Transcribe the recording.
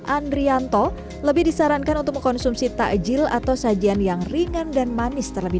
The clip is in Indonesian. andrianto lebih disarankan untuk mengkonsumsi takjil atau sajian yang ringan dan manis terlebih